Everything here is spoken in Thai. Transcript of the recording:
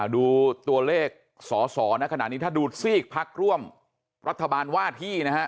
ดูตัวเลขสอสอในขณะนี้ถ้าดูซีกพักร่วมรัฐบาลว่าที่นะฮะ